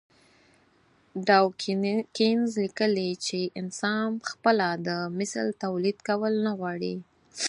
ډاوکېنز ليکلي چې انسان خپله د مثل توليد کول نه غواړي.